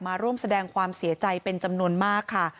มาร่วมแสดงความเสียใจเป็นจำนวนมากค่ะ